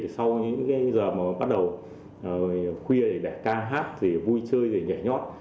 sau những giờ mà bắt đầu khuya để ca hát vui chơi nhảy nhót